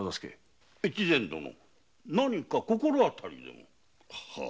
越前殿何か心当たりでも？